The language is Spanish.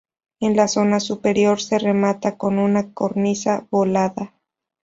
En la zona superior se remata con una cornisa volada.